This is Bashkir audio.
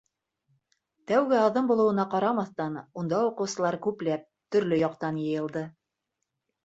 Тәүге аҙым булыуына ҡарамаҫтан, унда уҡыусылар күпләп, төрлө яҡтан йыйылды.